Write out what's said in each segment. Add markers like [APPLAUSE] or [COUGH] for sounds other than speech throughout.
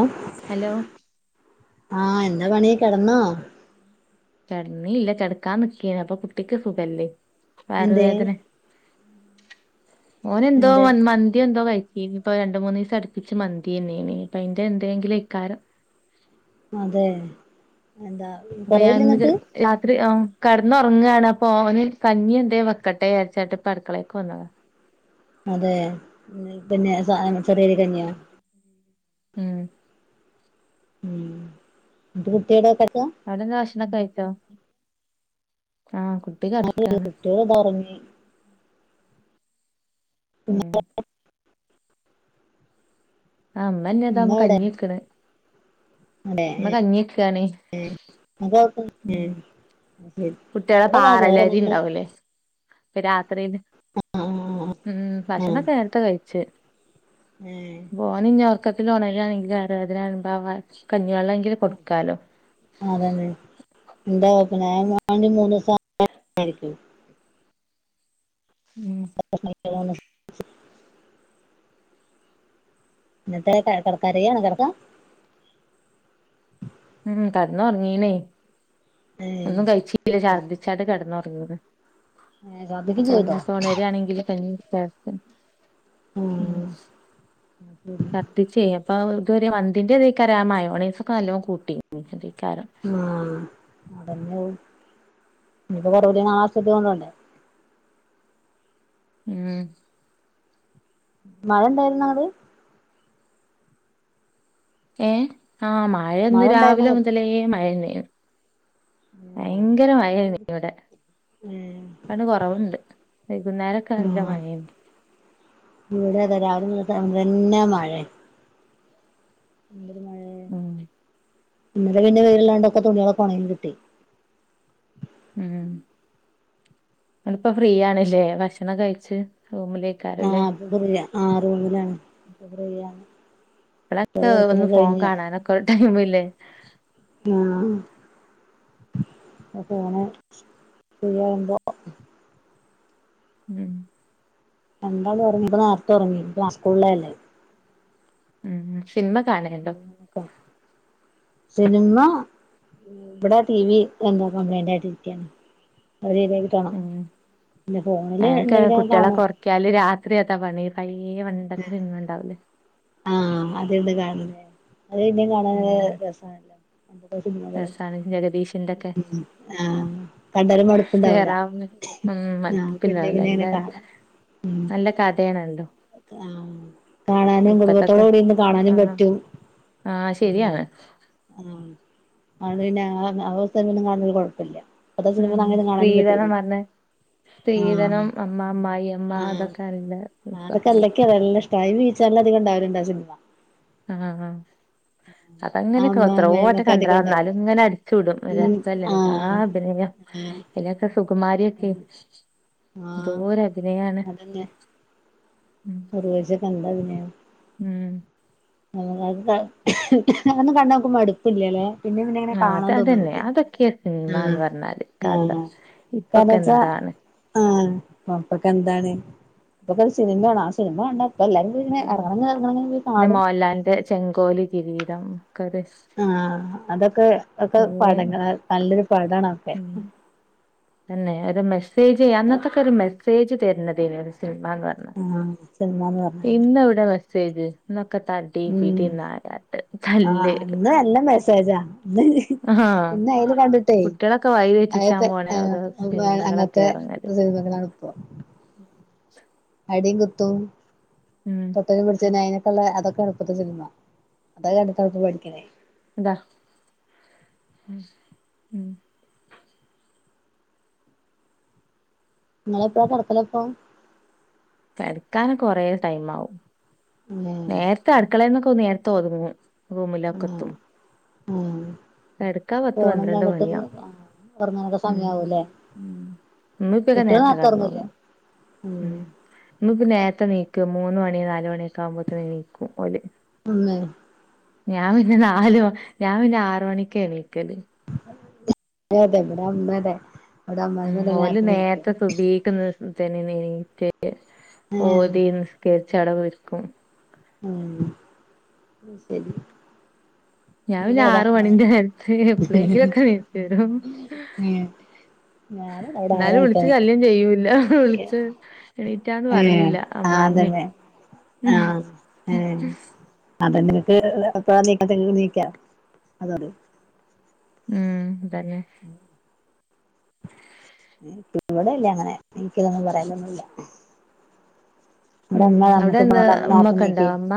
ഓ hello. ആഹ് എന്താ പണി, കെടന്നോ? കെടന്നില്ല കെടക്കാൻ നിക്കേണെ അപ്പൊ കുട്ടിക്ക് സുഖം ഇല്ലേ എന്തേ വയറുവേദന ഓന് എന്തോ എന്ത് മൻ മന്തി എന്തോ കയി [UNINTELLIGIBLE] രണ്ട് മൂന്ന് ദിവസം അടുപ്പിച്ച് മന്തി തന്നേനി. അപ്പ അതിന്റെ എന്തെങ്കിലും ഇക്കാരം അതെ എന്താ അപ്പൊ ഞാൻ കൊറവില്ല ഇന്ന് ചെ എന്നിട്ട് രാത്രി ആഹ് കെടന്നു ഒറങ്ങാണ് അപ്പ ഓന് കഞ്ഞി എന്തേ വെക്കട്ടെ [UNINTELLIGIBLE] ഇപ്പ അടുക്കളേക്ക് വന്നതാ അതെ [UNINTELLIGIBLE] ചെറിയരി കഞ്ഞിയോ? മ്ഹ് ഉം [UNINTELLIGIBLE] അവിടെന്താ ഭക്ഷണൊക്ക കഴിച്ചോ ആഹ് കുട്ടി കെടക്കാണ് കുട്ടിയോടെ ഇതാ ഉറങ്ങി ഉം [UNINTELLIGIBLE] ആഹ് അമ്മന്നട്ടോ ഉമ്മ എവിടെ കഞ്ഞിവെക്കണ് അതെ [UNINTELLIGIBLE] കുട്ടികളെ ഇവിടെതാ ചോറ് പാറല്ലരി തിന്ന് ഇണ്ടാവുല്ലേ രാത്രില് ആഹ് ഉം ആഹ് ഭക്ഷണൊക്കെ നേരത്തെ കഴിച്ച് ഏഹ് പോൻ ഓർക്കത്തിലോണാണെങ്കിൽ അതിന അതന്നെ എന്താ യ വണ്ടി മൂന്ന് ഉം [UNINTELLIGIBLE] ഇന്നത്തെ ക കിടക്കാരിയാണ് കിടക്ക ഉം കടന്ന ഉറങ്ങിന് ഏഹ് ഒന്നും കഴിച്ചീല്ല ശഛർദ്ദിച്ചാ കിടന്നുറങ്ങത് ഏഹ് ഛർദിക്കും അപ്പൊ ചെയ്തോ സോണരിയാണെങ്കില് ഉ ഉം ശദ ചെയ അപ്പ ഇ ഒരു മന്തിന്ന്റെതരാ മായോണസ ഒക്കെ നല്ല കൂട്ടി ആ അതന്നെ ഇ കുറപടി ആശ കൊണ്ടണ്ടേ ഉം മഴ എന്തായിരുന്നു അങ്ങടെ ഏ ആ മഴ മഴന്ന് ഉണ്ടായിരുന്നോ രാവിലെ അങ്ങട് മുതലേ മഴന്ന ഭയങ്കര മയായിരുന്നു ഇവിടെ ഏഹ് അണ് കൊറവുണ്ട് വൈകുന്നേരക്കെ നല്ല ആഹ് മഴുണ്ട് ഇവിടെ അതെ രാവിലെ തന്നെ മഴ ഉം ഇന്നല പിന്നെ വേരില്ലാണ്ടൊക്കെ തുണികളെ ഉണങ്ങി കിട്ടി ഉം അപ്പോ ഫ്രീ ആണല്ലേ ഭക്ഷണം കഴച്ച് റൂമിലേക്കാരല്ലേ ആ റൂമിലാണ് [UNINTELLIGIBLE] ഇപ്പോ ഇപ്പളൊക്കെ പഠക്ക ഒന്ന് ഫോൺ കഴിഞ്ഞ കാണാനൊക്കെ ഒരു ടൈമില്ലേ ആ അ അനെ ശരിവുമ്പോ ഉം രണ്ടാളും ഉറങ്ങി ഇപ്പ നേരത്തെ ഉറങ്ങി ഇപ്പ ആ സ്കൂളിലല്ലേ ഉം സിനിമ കാണലുണ്ടോ സിനിമ ഇവിടെ ടി വി എന്താ കംപ്ലൈന്റ ആയിട്ട് ഇരിക്കണ് അ രീതിക്കി തോണണം കുട്ടികളെ കൊറക്കാലി രാത്രിയതാ പണി വണ്ടത്ര ന്ന ഉണ്ടാവലേ ആ അതകാണതേ അത് പിന്നും കാണാന ഉം രസണല്ലോ രസാണ് ജഗദീഷിന്റെൊക്കെ ആഹ് കണ്ടാലും മടുപ്പുണ്ടാവൂല വേറാവ ഉം ആഹ് പിന്നെ മതിപ്പില്ലാവല്ല പിന്നെ അങ്ങനെ എല്ലാ കാണാം നല്ല കഥയാണല്ലോ ആ കാണാനും കുടുംബത്തോട് കൂടിന്ന് കാണാനും പറ്റും ആ ശരിയാണ് അ പിന്നെ അവസ്ഥൊന്നും കാണുന്ന ഒരു കുഴപ്പമില്ല ഉം സ്ത്രീതന്ന മഞ്ഞേ ആഹ് സ്ത്രീധനം അമ്മ അമ്മ അയയമ്മ അതൊക്കൊറല്ല ആ അതൊെല്ലക്ക വല്ല ഇഷ്ടമായി വീച്ചാലും അികംണ്ടാവരുണ്ട ആ സിനിമ ആണോ ആ ആ അതങ്ങനെ കൊത്രോട്ടം അമ്മാമ്മേമ്മൊക്കെ അധികം ഉണ്ടാവും കണ്ടരാന്നാലും ഇങ്ങനെ അടിച്ചു വിടും ഉം രസല്ല എന്താ ആഹ് അന്നെ ആഹ് ഇതിനൊക്കെ സുകുമാരിയൊക്കെ ആഹ് എന്തോര അഭിനയമാണ് കുറവച്ച കണ്ട പിന്നെയ ഉം നമ അത് അും കണ്ണോക്കുമ്പോ മടുപില്ലല്ലേ പിന്നെ പിന്നെ ഇങ്ങനെ ആഹ് അത് കാണാൻ തോന്നും അതന്നെ നമുക്ക് അതൊക്കെയാ ആ സിനിമാന്ന് പറഞ്ഞാല് കഥ ആ ഇപ്പൊക്കെ കാരണംച്ചാ എന്താണ് ആഹ അപ്പക്കെ എന്താണ് ഇപ്പൊക്കെ സിനിമണ ആ സിനിമ കണ്ട ഇപ്പ എല്ലാരും പിനെ ഉം [UNINTELLIGIBLE] പോയി പിന്നെ കാടും മോഹൻലാലിന്റെ ചെങ്കോല് കിരീടം ഒക്കെ ഒരു ആഹ് അതൊക്കെ ഒക്കെ പഴേ പടങ്ങളാ നല്ലൊരു പഴ്താണ ഒക്കെ ഉം സേജ് അന്നത്തക്കെ ഒരു മെസ്സേജ് തരുന്നതിന് [UNINTELLIGIBLE] ആഹ് സിനിമാന്ന് പറഞ്ഞാല് ഇന്ന് എവിടെ മെസ്സേജ് ന് ഉം ആ തല്ല് അന്ന് എല്ലാം മെസേജാ ആഹ് ഇന്ന് അയിൽ കണ്ടിട്ടേ കുട്ടികളൊക്കെ വഴി തെറ്റിച്ചാൻ അത്തെ പോണ ആ ഓരോ സിനിമകളൊക്കെ അങ്ങത്തെ ഇറങ്ങല് സേജ്കങ്ങളാണ്ണ്പ്പ അടിം കുത്തും ഉം തൊട്ടേനും പുട്ച്ചേനും അയിന് കെള്ളെ അതൊക്കേണ് ഇപ്പത്തെ സിൽമ അതൊക്കെ കണ്ടിട്ടാണിപ്പ പടിക്ക്ണേ ഇതാ ഉം നിങ്ങളെപ്പളാ കടക്കലപ്പൊ കെട്ക്കാനൊക്കെ കൊറേ ടൈം ആവും ഏ നേര്ത്തെ അട്ക്കളേന്നൊക് നേര്ത്തൊർങ്ങും റൂമിലൊക്കെ എത്തും ഉം കെട്ക്കാ പത്ത് പന്ത്രണ്ട് മണിയാ ഒറങ്ങാനൊക്കെ ഉം സമയാവൂല്ലേ ഉം ഇന്നിപ്പതാ കുട്ടികള് നേര്ത്ത നേരത്തെ ഒറങ്ങൂലേ കെട്ന്നൊർങ്ങും ഉം ഇന്നിപ്പോ നേ ത്തെ നീക്കും മൂന്ന മണി നാല മണിയൊക്കെ ആവുമ്പോത്തിന് നീക്കും ഓല് [UNINTELLIGIBLE] ഞാൻ പിന്നെ നാല് ഞാൻ പിന്നെ ആറ് മണിക്കാ എണീക്കല് അത അതെ ഇവിടെ അമ്മ അതെ ഇവിടെ ഉം അമ്മായിമ്മ അതെ ഓല് നേരത്തെ എണീക്കും നേര്ത്തെ സുബയ്ക്ക് നിസ് [UNINTELLIGIBLE] ഏഹ് ഓതി നിസ്കര്ച്ചവ്ടെ കെട്ക്കും ആഹ് ശരി ഞാൻ പിന്നെ ഇവിടെ അതാ ആറ് അമ്മ മണിന്റെ ര്ത്ത് എപ്പ്ളേങ്കിലൊക്കെ നീച്ച് വരും ഏഹ് ഞാനിതാ ഇവിടെ ആറ് എന്നാലും മണിക്കാ വിളിച്ച് ശല്ല്യം ചെയ്യൂല്ല എണീക്കല് വിളിച്ച് എണീറ്റാന്ന് ഏഹ് പറയില്ല ആഹ് അമ്മായിമ്മീം അതന്നെ ആഹ് ഏ [UNINTELLIGIBLE] ഉം തന്നെ ഇവിടെല്ല അങ്ങനെ എനിക്ക് ഇതൊന്നും പറയാനൊന്നുല്ല ഇവടെ ഉം അമ്മ അവിടെ എന്താ [UNINTELLIGIBLE] അമ്മ നാർത്ത ഉമ്മക്കെ ഉണ്ടോ നീക്കേ അമ്മ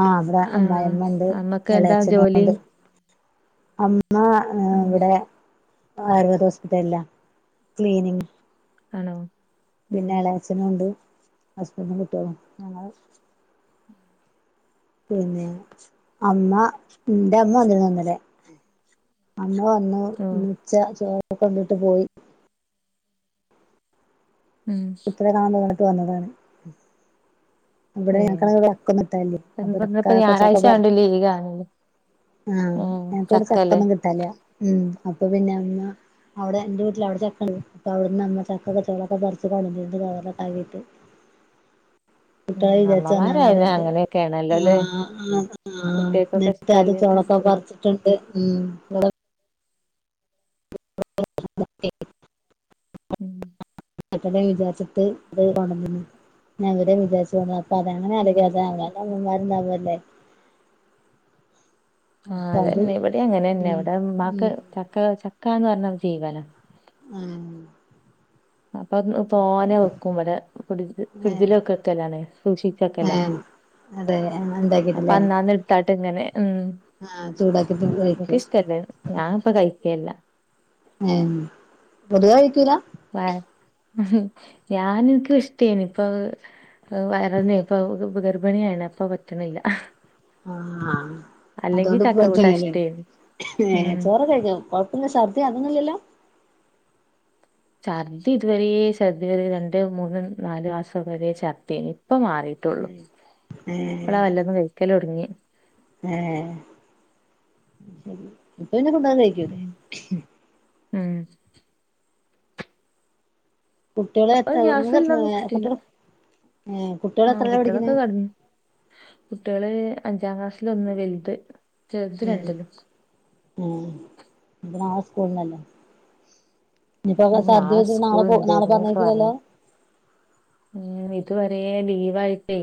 ആഹ് ഇവിടെ ആഹ് അമ്മായ്മ്മണ്ട് അമ്മക്ക് എന്താ എളേച്ഛനും ജോലി ഉണ്ട് അമ്മ ഉം ഏ ആയുർവേദ ഹോസ്പിറ്റൽല്ല ക്ലീനിങ് ആണോ ഉം പിന്നെ എളേച്ഛനുണ്ട് ഹസ്ബൻഡും കിട്ട്യോളും ഞങ്ങൾ പിന്നെ അമ്മ ഇന്റമ്മ വന്നേന്നു ഇന്നലേ അമ്മ വന്നു ഓ മിച്ച ചോറൊക്കുണ്ടിട്ട് പോയി ഉം ഇത്ര കാണാൻ തോന്നിട്ട് വന്നതാണ് ഇവിടെ ഏഹ് ഞങ്ങ്ക്കാണെ [UNINTELLIGIBLE] പർ പറഞ്ഞപ്പോ ഞായറാഴ്ച ആയോണ്ട് ലീവാണല്ലേ ആഹ് ഉം ഞങ്ങക്ക് ഇവിടെ ചക്കല്ലേ ചെക്കൊന്നും കിട്ടാല ഉം അപ്പൊ പിന്നെ അമ്മ അവിടെ ഇന്റെ വീട്ടിൽ അവിടെ ചക്കണ്ട് അപ്പ അവിടുന്ന് അമ്മ ചക്ക ചൊളൊക്കെ കൊറച്ച് കളഞ്ഞിട്ട് കവർലൊക്കാക്കീട്ട് ഉം കുട്ട്യാളെ വിചാരിച്ച വന്നാണ് അമ്മമാരായ പറീണ്ടത് അങ്ങനെയൊക്കെയാണല്ലോ അല്ലേ ആ ആ കുട്ടികൾക്കൊക്കെ ഇന്നിട്ട് അത് ഇഷ്ടല്ലാത്ത ചൊളൊക്കെ പർച്ചിട്ടിണ്ട് ഉം ഇ [UNINTELLIGIBLE] ഉം [UNINTELLIGIBLE] വിചാര്ച്ചിട്ട കൊണ്ടന്നന്ന് ഞാൻ [UNINTELLIGIBLE] വിചാരിച്ച് വന്ന അപ്പൊ അത് അങ്ങനെ ഉം ആലോയ്ക്ക [UNINTELLIGIBLE] അമ്മമാരുണ്ടാവുവല്ലേ ആ അതെന്നെ ഇവിടെ അങ്ങനന്നെ ഇവിടെ മക്ക് ഉം ചക്ക ചക്കന്ന് പറഞ്ഞ ജീവന ഉം അപ്പൊ പോനെ വെക്കും ഇവിടെ കു ഏഹ് കുജിലക്കൊക്കെല്ലാണേ സൂക്ഷിച്ചൊക്കെല്ല ഏഹ് അതെ എന്താക്കിട്ടില്ലേ എടുത്താട്ട് ഇങ്ങനെ ഉം കഴിക്കും എനക്ക്ഷ്ടല്ലേ ഞൻപ്പ കഴിക്കല്ല ഉ പതിയ കഴിക്കൂല വ ഞാന എനിക്കും ഇഷ്ടേന ഇപ്പൊ വയറന്നെ ഇപ്പൊ ഗർഭിണിയ ആയിണ അപ്പ പറ്റണില്ല ആഹ ആ അല്ലെങ്കി അതോണ്ട് ചക്ക കൂട്ടാൻ പ്രജനല്ലേ ഇഷ്ടേനി ഏ ഉം ചോറ് കഴിക്കും കൊഴപ്പില്ല സർദി അതൊന്നുമല്ലല്ലോ ചഛർദ്ദി ഇതുവരേ ഛർദി വരെ രണ്ട മൂന്ന് നാാലു മാസം വരേ ഛർദ്ദി ഇപ്പ മാറിട്ടുള്ളു ഇപ്പളാ വല്ലൊന്നും കഴിക്കല ഒടുങ്ങി ആഹ ശരി അന്നെ കൊണ്ടന്ന് കഴിക്കല്ലേ ഉം ഉം കുട്ടികള ഇപ്പൊ എത്തത്ത കുട്ടികള ആഹ കുട്ടികളൊക്കെ ക കുട്ടികള് അഞ്ചാം ക്ലാസ്സില ഒന്ന് വലുത് ചതി ര എണ്ടല്ല ഉ അ ആ സ്കൂളിനല്ലേ ഇനിപ്പോ ഉം സദ്യ വെച്ചിട്ട് നാളെ പോ സ്കൂളുണ്ട് നാളെ പറഞ്ഞേക്കില്ലല്ലോ ഉ ഇത്വരെ ലീവ്യിട്ടേ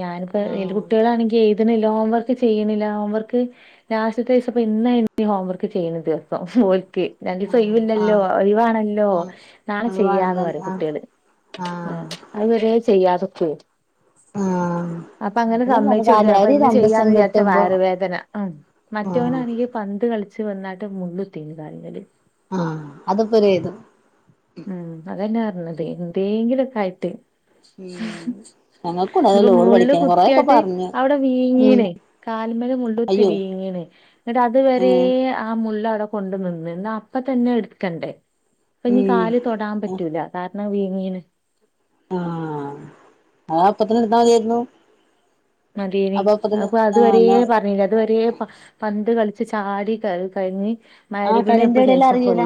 ഞാനിപ്പോ വല് ആഹ് കുുട്ടികളാണെങ്കിൽ ഇ ഹോംവർക്ക് ചെയ്യണില്ല ഹോംവർക്ക് ലാസ്റ്റ്ത്തെ ദിവസപ്പ ഇന്ന ഇ ഹോംവർക്ക് ചെയ്യണ ദിവസം ര ആഹ് സൈവില്ലല്ലോ ആഹ് ഒഴവാണല്ലോ ആഹ് നളെ അത് ചെയ്യാന്ന് വേണല്ലോ പറ ആഹ് കുട്ടികള് ആഹ് ആഹ അതുവരെ ചെയ്യാതക്ക ആഹ അപ്പൊ അങ്ങനെ സമ്മയിച്ചു കൊടുത്താണ് അപ്പൊ ഇന്ന് രണ്ടീസം ചെയ്യാന്ന് വിചാരിച്ച കിട്ടുമ്പോ വയറുവേദന ഉ ആഹ് മറ്റവനാണെങ്കിൽ പന്ത് കളിച്ചച്ച് വന്നായിട്ട് മുള്ത്തിന്ന് കാര്ല് ആഹ അത്പ്പോ ഒരു ഇത് ഉം അതന്നെ പററിഞ്ഞത് എന്തെങ്കിലുംക്കെ ആയിട്ട് ഉം ഞങ്ങൾക്കുണ്ട് അത് ഇപ്പോ ലോഡ് മള്ള് പഠിക്കാൻ കൊറെയൊക്കെ കുത്തിയായിട്ട് പറഞ്ഞു അവിടെ ഉം വീങ്ങീനെ മ മുുള്ളൊത്തി അയ്യോ വീങ്ങണ് എന്നിട്ട് അത് വരെ ഉം ആ മു കൊണ്ട നി അപ്പ തന്നെ എടുക്കണ്ടേ അ ഇനി ഉം കാല് തൊടൻ പറ്റൂ വീങ്ങീന ആഹ അതപ്പത്തിന എടുത്താ മതിയിരുന്നു മതെ അപ്പൊ അത്വരേ പറഞ്ഞില്ല അത്വരേ ഇത് കളിച്ച് ചാടി ക കഴിഞ്ഞി ആഹ കളിന്റെറെടൽ അറിയിൂല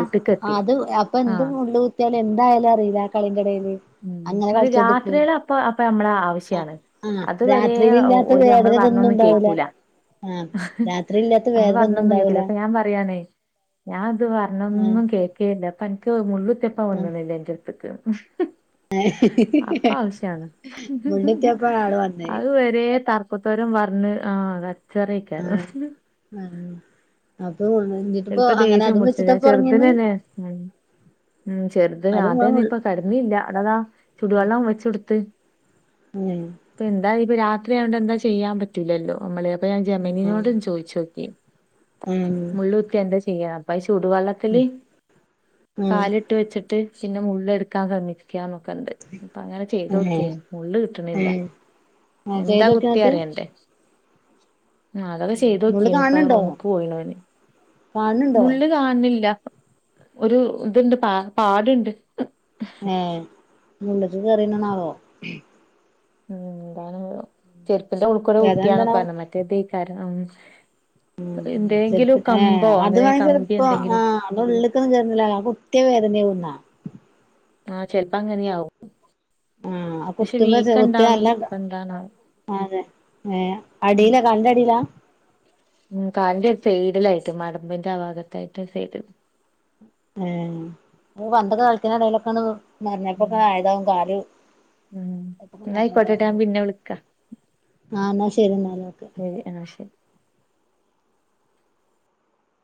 അത് അപ്പൊ എന്തും ആഹ് ഉള്ള കുത്തിയാലും എന്തായാലും അറിയില്ല കളിന്റെടയിൽ ഉം അ രാത്രിയള അപ്പ ഇ നമ്മള ആവശ്യാണ് ആഹ് അത്വരെ രാത്രിയിൽ ഇല്ലാത്ത നമ്മള് വേദന ഇതൊന്നും പറഞ്ഞൊന്നും ഉണ്ടാവൂല കേൾക്കൂല ആഹ് രാത്രി ഇല്ലാത്ത നമ്മള് വേദന ഒന്നും പറഞ്ഞന്നുക്ക ഉണ്ടാവൂല അപ്പ ഞാൻ പറയാനേ ഞാൻ അത് വരണംന്നും കേക്കേല്ല അപ്പ എനിക്ക് മുുള്ളുത്തപ്പ ഒന്നന്നില്ല എൻ ചേടുത്തക്ക് അപ്പ ആഹ് ആവശ്യാണ് വീട്ടിലെത്തിയപ്പോ ആള് വന്നേ അത് വരെ തർ പത്തരം വഞ്ഞ ആ ആഹ് ഉ അപ്പൊ ചപ്പോ അങ്ങനെ ദേഷ്യം അതും മുടിച്ച ഞാൻ വെച്ചിട്ടപ്പ ഉറങ്ങിയന്ന് ചെറുതനെന്നെ ഉം ചെറുതൊ അതും അത ആ തന്നെ ഇപ്പൊ കടന്നല്ല അടതാ ചുടുവെള്ളം വെച്ചെടുത്ത് ആഹ് ഇപ്പ എന്താ ഇപ്പ രാത്രിയോണ്ട് എന്താ ചെയ്യാൻ പറ്റില്ലല്ലോ നമ്മള് അപ്പൊ ഞാൻ ജെമീനിനോട് ചോദിച്ച നോക്കി ആഹ് മുള്ളള്ത്തി എന്താ ചെയ്യ ചൂടുവെള്ളത്തില്ൽ കാലിട്ട് വെച്ചിട്ട് പിന്നെ മള് എടുക്കാൻ ശ്രമിക്കാ നക്ക ണ്ട് അപ്പ അങ്ങനെ ചെയ്ത് ആഹ് നോക്കിയ മള്ള് കിട്ടണില്ല ആഹ് ആഹ് എന്താ ചെയ്തൊക്കെ എന്നിട്ട് കുത്തിയറിയന്റെറെ ആ അതൊക്കെ ചെയ്ത് മോള് നോക്കിയ ഇപ്പ റൂമക്ക് പോയിണന് കാണുണുണ്ടോ ഒരു ഇത്ണ്ട് പ പാടുണ്ട് ഏ മുണ്ടക്ക് കേറണണാവോ ഉം എതാണ് ചെരുുപ്പന്റെ ഉള്ളുക്കൂടെ കുത്തിയതാണെക്കെ വേദനണ്ടണാവോ പറണം മറ്റേതേ കാരണം ഉ ചെരിപ്പ് ഏ കമ്പോ അത് അങ്ങനെ വേണെ കമ്പി ചെരുപ്പോ ആ എന്തെങ്കിലും അത് ഉള്ളക്ക്ൊന്നും കേറൂലാ കു ത്തിയവേദന അന്നെ ഒന്ന [UNINTELLIGIBLE] ആഹ ചെലപ്പ അങ്ങനെയാവുംും ആഹ കുത്തു മ്പോകുത്തിയ ഇപ്പ എന്താണാവോ അതെ ഏ അടിയില കാലിന്റെ അടിയിലാ ഉ കാലിന്റെ സൈഡിലായിട്ട് മടമ്പിന്റെ ആ ഭാഗത്തായിട്ട് സെയ്ഡ ആ പന്തൊക്കെ കളിക്ക ഇടലൊക്കെയാണ് ഉം മറിഞ്ഞപ്പോൊക്കെ ആയതാവും കാലൊെ ഉം എന്നാ മഞ്ഞപ്പോ ആയിക്കോട്ടെട്ടോ ഞാൻ പിന്നെ വിളിക്കാ ആഹ എന്നാ ശരി എന്നാല ക്കെ ശരി ആ ശരി